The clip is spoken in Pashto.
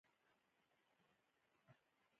غرمه د کور د بویونو تاریخ دی